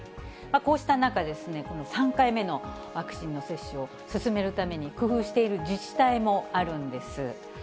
こうした中ですね、この３回目のワクチンの接種を進めるために、工夫している自治体もあるんです。